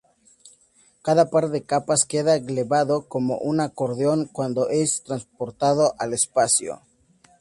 Cada par de capas queda plegado como un acordeón cuando es transportado al espacio.